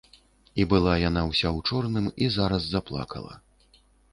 І была яна ўся ў чорным і зараз заплакала.